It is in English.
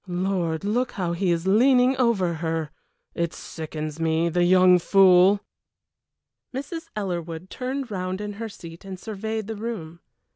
Lord, look how he is leaning over her! It sickens me! The young fool!" Mrs. Ellerwood turned round in her seat and surveyed the room.